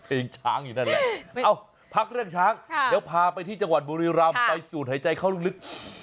เอาพักเรื่องช้างเดี๋ยวพาไปที่จังหวัดบุรีรำไปสูดหายใจเข้าลึก